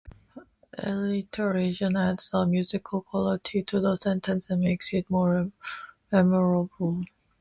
Alliteration adds a musical quality to the sentence and makes it more memorable.